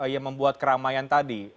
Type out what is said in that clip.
yang membuat keramaian tadi